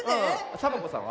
サボ子さんは？